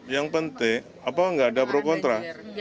yang penting apa nggak ada pro kontra